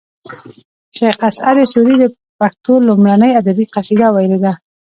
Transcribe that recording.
شیخ اسعد سوري د پښتو لومړنۍ ادبي قصیده ویلې ده